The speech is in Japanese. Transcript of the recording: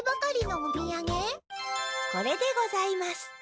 これでございます。